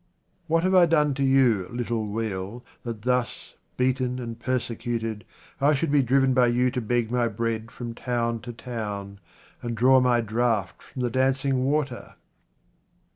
What have I done to you, little wheel, that thus, beaten and persecuted, I should be driven by you to beg my bread from town to town and draw my draught from the dancing water